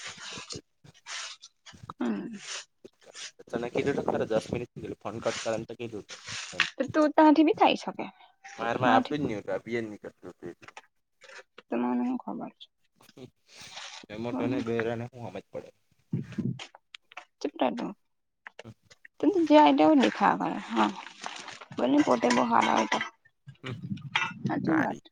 [inaudible] હમ [inaudible] કે દસ mini phone cut કર કે તો તું ત્યાંથી બી થાય શકે મારેમાં આપ જ મારાથી નું અભયન ની કરતું એટલે તમામ મનેમને ખબર છે. એમટને બેરાને હું આમ જ પડે ચપનું હા [inaudible] તુ જે આટ લેખા કર હા બ પોતે હ એટ હમ સાચી હારી વાતટે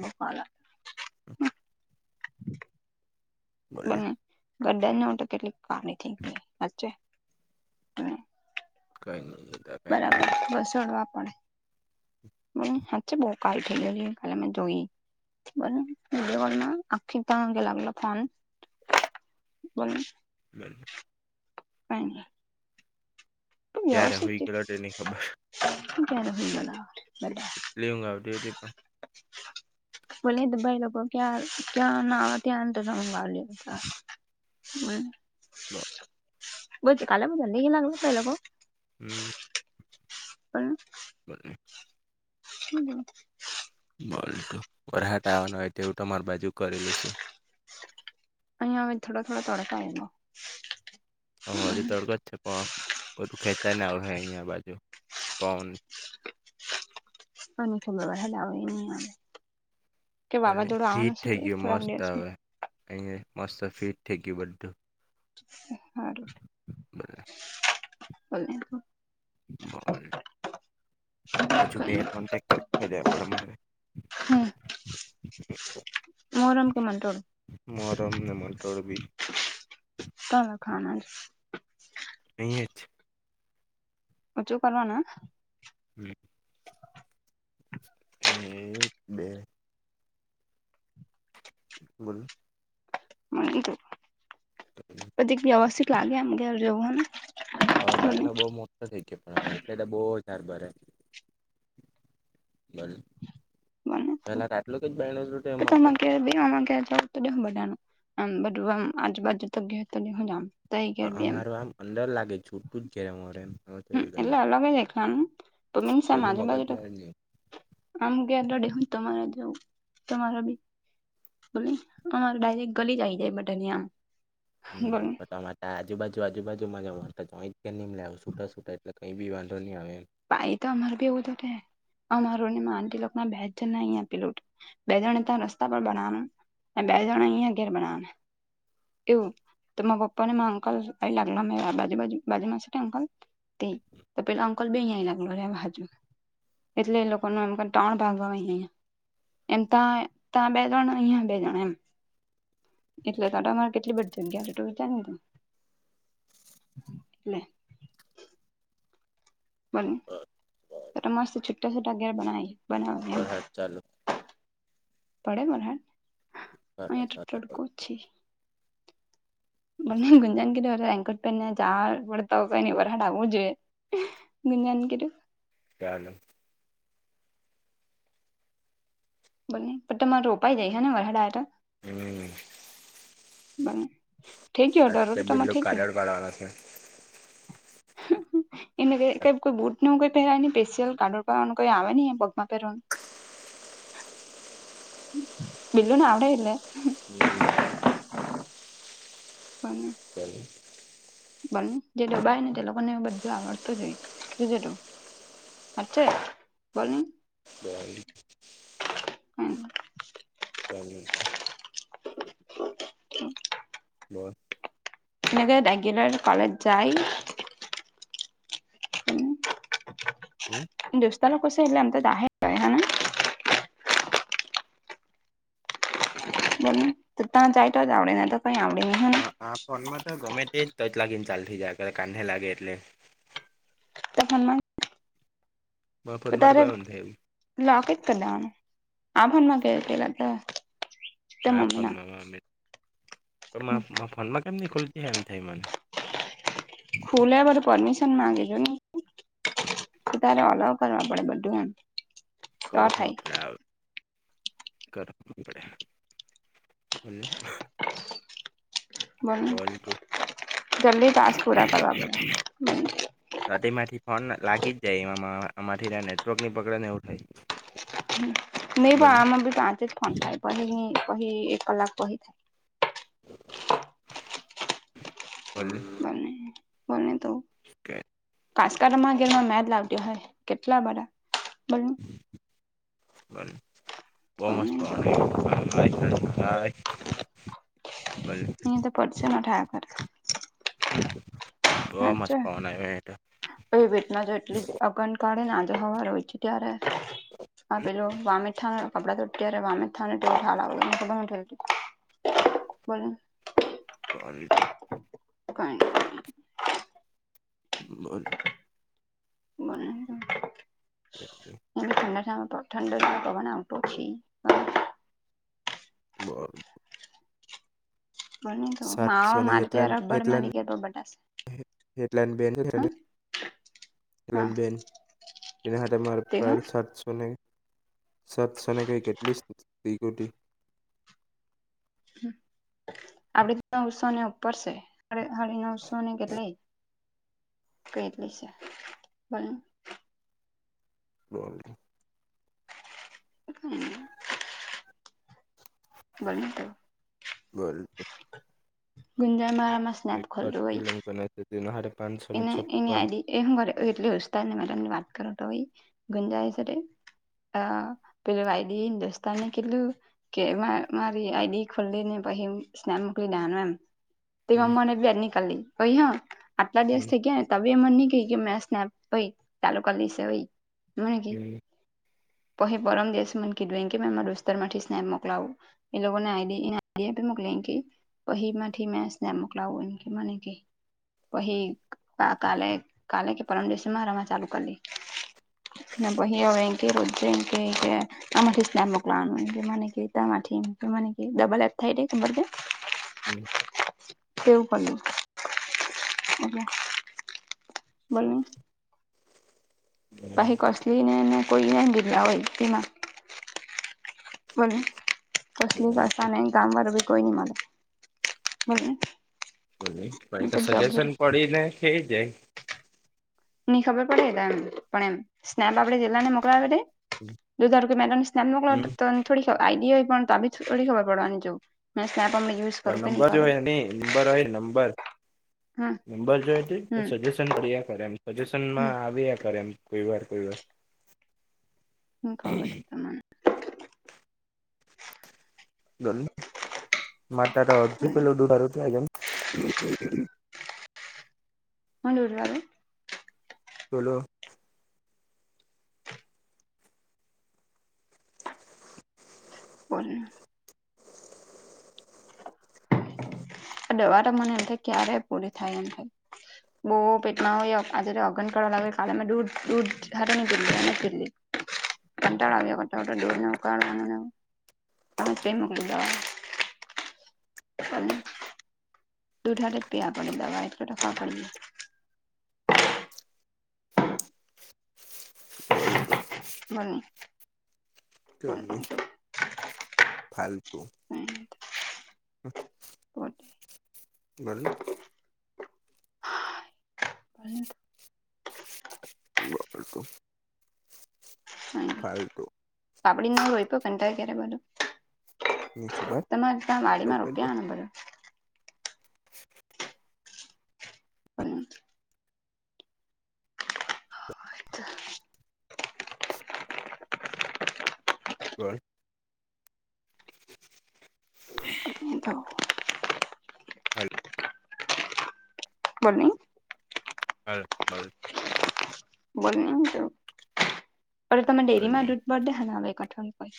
બખ બ બોલને ગડાન તો કેટલી કામી થઈ ગ વ્ચે ક [unintelligible] બરાબર બસડવા પડે હા છે, બહ કાલ ઠેકએ કાલે મે જોઈ દજ આખી ત લાગલો ફોન બ બ [unintelligible] ક [unintelligible] આવ ક્યારે હુઈ ગેલો તેની ખબર શક્યારે બ બ એટલી ઊઘવતી હતી પણ બોલી તો ભાઈ લોકો ક્યાં ક્યાં ના ત્યાં અર લાવ લ હમ. [unintelligible] [unintelligible] બતી કાલે બધંધહી લાગલ ત લોકોગ. હમ. [inaudible] બ. [unintelligible] [inaudible] બોલું વરાહટ આવવાનું હોય તેવું તમાર બાજુ કરેલું છે. અહીયા થોડા થોડા તડકામ. હ હજુ તડકો જ છે પણ બધું ખેંચાય ના આવ હ અહિયાયા બાજુ પણન. અને છોલે બે હા દાવ એ ન આવે. કે પ વાવાઝોડું આવવાનું ફીટ છે થઈ તે ગયું થોડાક મસ્ત દિવસમાં આવે અહી મસ્ત ફિટ થઈ ગયું બધું. સારું બ. બોલને બ હજુ કઈ નઈ બેક. અજ ગળ મારે. મોરમ ક મન્ટોળ. મહરમને મટોળવી. તલા ખાના જ. પેચ. ઓછું કરવાના. હમ. એક બે. બોલો. મી પછી વ્યવસ્થિત લાગે આમ ઘ જવું હને. હવે ભાઈ ના બહુ મો. થઈ પણ હવે એટલે તો બહ સારબરે બલ. [unintelligible] તો પેલા આટલું જ બાયણો છૂટે એમ ડ હતો હું બટાનુંમ બ આજ બાજુ ત ગયો તો દ હું જામ. અમાર આમ અંદર લાગે છૂટું જ જ અમારે એમ. હમ એટલે અલગ જ ખનું મિન કોઈની સાજુ બાજુટ. મગજમાં જ નહીં આમ ગલાડે હું તમારા જાઉં તમારા બી બો અમા ડાયરેક્ટ ગલી જ આવી જાય બટાની આમ. હમ બોલ તો તમામાં. તા આજબાજુ આજુબાજુ મ વાંધતા જોઈ જ નહીને લાવ્યો સુટાૂટ એટલે કંઈ બી વાંધો નહી આવે એમ. ભાઈ તો અમાર ભી એવું તો અમારો ને આ લોકો ના બેજ જ નહી આપેલું. બે જણા રસ્તા પર બવા બે જણા ઘર બવા. એવું તો પપ્પા ને અંકલ આઈ લાગલા મે બાજુ બાજુ બાજુ મા સાથે અંકલ. તે તો પેલા અંકલ બે લાગ હજુ. એટલે એ લોકો ન એમ ત્રણ ભાગવાયહીયા. એમ ત ત બે જણા અહયા બે જણ એમ. એટલે તોરે કેટલી બધી જગ્યા તું વિચાર તો એટલે. બને. [inaudible] ત મસ્ત છૂટા છુટા અ ઘેર બનાવી બનાવ. વરહાદ ચાલુ પડે બરા હ અંયા તો તડકો છ. પણ ગુંંજાનગીરી વેકટભે ને જાાડ પડતા હોય ની વરરાડ આવું જોઈએ. ગજાન ગટ. [unintelligible] ચાલો. બને પણ તમારે રોપાઈ જાય છે ને વરડા હમ. બને થઈ ગયો દ રોટટામાં થઈ ગયો. બના ત [inaudible] એમને કોઈ બુટ ન કઈ પહેરાય નને સ્લ કાર્ડઈ આવે ન પગમાં પહેરવાનું. [inaudible] બલુન અવડલેે હમ બ હમ જે દબાય ને તે લોકો ને બધું આવડતું જ હોયજ અછે હે બની હમ ચ બસ એગ રેગલર કોલેજ જાય. હમ દોસ્તા લોકો કસે એટલેમ તો હને ત ત તો જાય તો જ આવડે તો કઈ આવડે હ ને આ પણમાં તો ગમે તે તો લાગીને ચાલ થઈ જાય કાને લાગે એટલે તોમાં [unintelligible] મા ફોદ માટે ગયો થ એમ લકે કદનું આભણમાં કે કેલા તો તે હા મમ્મી ના ફોનમાં ફોનમાં કેમ ન ખુલતી એમ થાય મને ખુલે બર પરમિશન માંગે છેો ને કે તારે અલાવ કરવા પડે બધું એમ કર તો હો થાય આપણે કર હ [unintelligible] બોલો તું જલ્દી તાસ પૂરા કર બોલ તો તેમાંથી ફોન લાગી જ જાય એ આમાંથી નેટવર્કની પગડને એવું થાય. હ મે બા બોલ આમાં બી પાંચે જ ફોન થાય કહી કહી એક કલાક કહી થાય. [unintelligible] બોલને તો કે કાસ્કારમાં ઘેરમાં મેદ લાવ્યો હોય. કેટલા બધા બો બંધ બહ મસ્ બોલને તો પવન આ થયા કરે બવ મસ્ત હાચુ પવન આવીયે અપ અગં કાળે ના આદો હવા હોય છે ત્યારે આપેલું વામીટ થવાની [unintelligible] બલને [unintelligible] કઈ નય મન મને શીખબર [unintelligible] એ ઠડા ઠંડા પગના ઉઠું છે. બોલ બને તો માવા મારે સાતસોલાેલા ત્યાં રબડ મારી ગયા તો બટાશે બેન હ ખલન હા બન ના હાથે માર તે હ પ્રાર છાશને સાતસોનેખ કેટલીગુટી આપડી તો નવસોને ઉપર છે હળ નવસોને કેટ લ કેટલી છે બ [unintelligible] [unintelligible] બોલ ગુંંજાઈ મારા મસ એક ફિલ્મ બનાય દીધી પાંચ એ એની આ એ શું કરે એટને મેડની વાત કરો તો ગંજાય છે. અ પેલું વાયડી હિન્દુસ્તાનને કેટલું કે મારી આઈડી ખોલ્લી ને પછી સ્નેપ મોકલી દેવાનું એમ તે મા મનેવી એની કાલી કહી આટલા દિવસ થઈ ગયા ને ત એમને નહી ક કે મે સ્નેપ ચાલુ કરી મે કીધું પહિ પરમ દિવસે મને કીધું એ કે મે દોસ્તાર માંથી સ્નેપ મોકલાવું. એ લોકોને આઈડી આઈડિયા મોકલી કે વહીથી મે સ્નેપ મોકલા મને કે પહી કાલે કાલે કે પરમ દિવસએ મારામાં ચાલુ કર દે. ના ભહૈયા વંકી હજ્જૈ કે છે. આથી સ્નેપ મોકલાવાનું કે તથી ડબલ એ થાય. એવું [unintelligible] [unintelligible] બોલો પહિ કોસલી નેને કોઈ બિરલા હોય તેમાં બલો કસલી કસા નહી કામ વાળું ભી કોઈ ન મારે બો પણ એ તો સજેશન પડીને થઈ જાય. ની ખબર પડે ત એમ પણ એમ સ્નેપ આપડે જેટલાને મોકલાવીતી દુધ હમ [unintelligible] થોડીક આઈડિયા હોય પણ તો બી થોડી ખબર પડવાની જો કરું કે ની નંબર જો કરું હોય ન નંબર હોય નંબર હમ નબર જો તો હમ સજેશન કર્યા કરે એમ હમ સજેશનમાં આવીયા કર્યારે એમ કોઈ વાર કોઈ વાર હમ ખબર છે તમામને [unintelligible] મજૂર આવે બોલો બોલ ને આ દવા તો મને એમથી ક્યારે પૂરી થાય એમ થાય બો પેટમાં હોય આજ અગન કાવા લાગ કાળામાં દૂધ દૂધ કંટાળો આવિયો હતો દૂધને મૂકવાનો [inaudible] [inaudible] બોલ કઈ નય ફાલતુ. [inaudible] પડી બોલ [unintelligible] [inaudible] [unintelligible] ફાલતુ પાપડી ના રોપ્યો ક ક્યારે બોલું ની ખબર તમારે ત્યા વાડીમાં રોપ્યાને [inaudible] હમ. [unintelligible] [unintelligible] હ એ થ હા બો નહી હ બરું બોલ પ તમે ડેરીમાં દૂધ પડ દ હ અવે એકઠવા કોઈ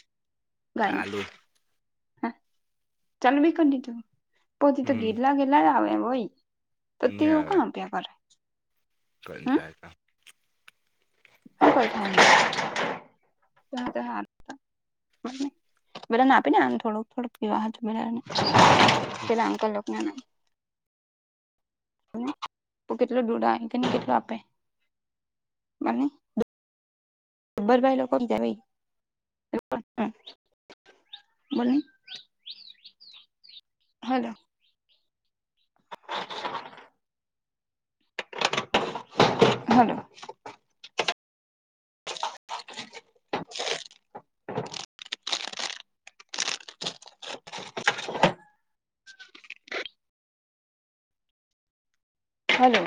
ગાયનું ચાલુ હ ચાલુ બી કરી દીધું પોતે તો હમ ગેરલા ગેરલા જ આવે એ હોય તો તેવ કણ આપ્યા કરે કઈ થાય ના હુકોતા બધા આપીને આયો થોડુક થોડુક વિવાહ હતું મેને પેલા અંકલ લોકોને તો કેટલો દૂધ કે કેટલો આપે મને બબ્બર ભાઈ લોકો જ ભય બોલને હલો અ હલો હલો